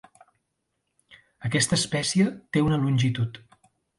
Aquesta espècie té una longitud.